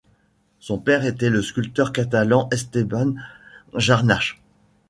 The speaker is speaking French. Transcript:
Son père était le sculpteur catalan Esteban Jarnach.